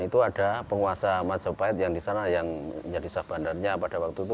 itu ada penguasa majapahit yang di sana yang menjadi sah bandarnya pada waktu itu